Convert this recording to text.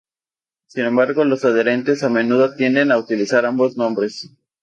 Sin embargo, los adherentes a menudo tienden a utilizar ambos nombres.